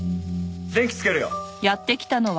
電気つけるよ。